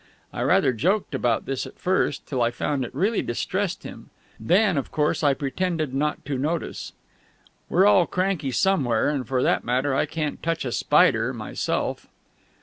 I rather joked about this at first, till I found it really distressed him; then, of course, I pretended not to notice. We're all cranky somewhere, and for that matter, I can't touch a spider myself.